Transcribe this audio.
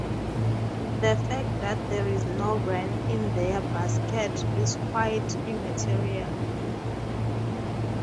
The fact that there is no wren in their basket is quite immaterial.